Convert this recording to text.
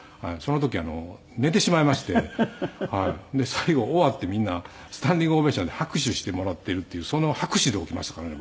最後終わってみんなスタンディングオベーションで拍手してもらっているっていうその拍手で起きましたからね